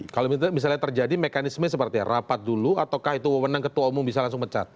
kalau misalnya terjadi mekanisme seperti apa rapat dulu ataukah itu menang ketua umum bisa langsung pecat